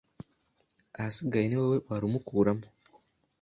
Ahasigaye ni wowe warumukuramo